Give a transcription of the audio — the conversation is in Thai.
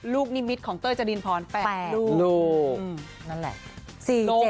ลูกนิมิตของเต้ยจรินพรด้วย๘ลูก